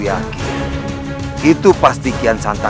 aku ini sudah ternyata